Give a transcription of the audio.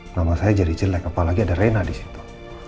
nama saya jadi jelek apalagi ada reina di situ